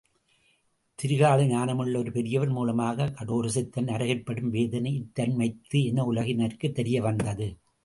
திரிகால ஞானமுள்ள ஒரு பெரியவர் மூலமாக கடோரசித்தன் நரகிற்படும் வேதனை இத்தன்மைத்து என உலகினருக்குத் தெரிய வந்தது.